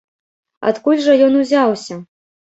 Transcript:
Адкуль жа ён узяўся?